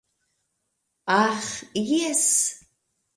Aĥ jes.